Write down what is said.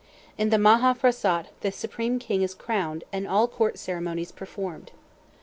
In the Maha Phrasat the supreme king is crowned and all court ceremonies performed.